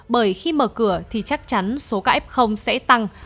bởi khi mở cửa thì chắc chắn số các f sẽ tăng